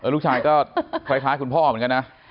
ลูกชายก็คล้ายคุณพ่อเหมือนกันนะ